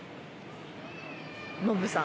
ノブさん。